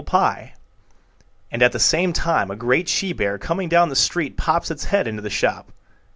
gif)] and at the same time a great she bear, coming down the street, pops its head into the shop.